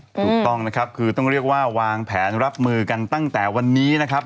ถูกต้องนะครับคือต้องเรียกว่าวางแผนรับมือกันตั้งแต่วันนี้นะครับ